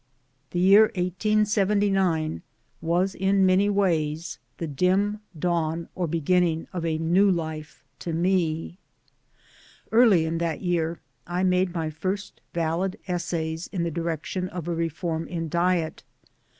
The year 1879 was i n many ways the dim dawn or beginning of a new life to me. Early in that year I made my first Valid essays in the direction of a reform in diet.